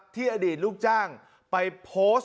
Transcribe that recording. ที่อดีตลูกจ้างไปโพส